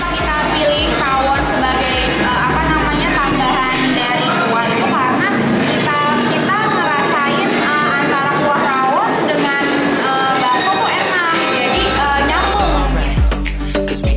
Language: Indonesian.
kita pilih rawon sebagai tambahan dari kuah itu karena kita ngerasain antara kuah rawon dengan bakso muena